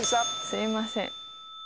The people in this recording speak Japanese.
すいません。